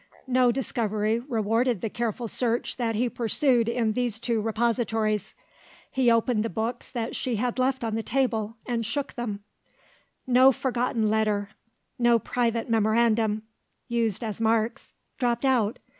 No discovery rewarded the careful search that he pursued in these two repositories. He opened the books that she had left on the table, and shook them. No forgotten letter, no private memorandum (used as marks) dropped out.